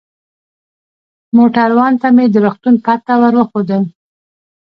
موټروان ته مې د روغتون پته ور وښودل.